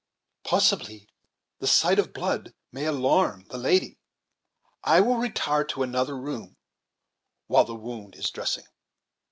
"Possibly the sight of blood may alarm the lady; I will retire to another room while the wound is dressing."